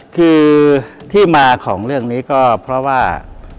คือที่มาของเรื่องนี้ก็เพราะว่า